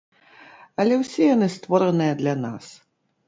Але ўсе яны створаныя для нас.